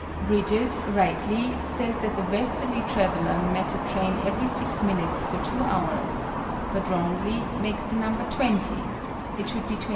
BRIDGET (rightly) says that the westerly traveller met a train every 6 minutes for 2 hours, but (wrongly) makes the number "20"; it should be "21."